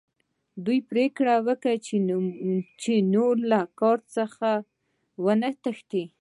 دوی پریکړه وکړه چې نور له کار څخه ونه تښتي